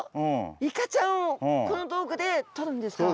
イカちゃんをこの道具でとるんですか？